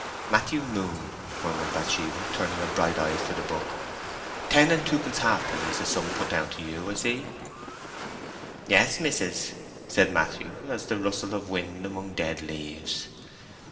"Matthew Moon," murmured Bathsheba, turning her bright eyes to the book. "Ten and twopence halfpenny is the sum put down to you, I see?" "Yes, mis'ess," said Matthew, as the rustle of wind among dead leaves.